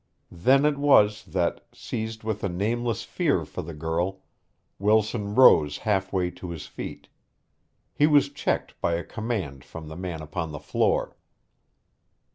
Then it was that, seized with a nameless fear for the girl, Wilson rose half way to his feet. He was checked by a command from the man upon the floor.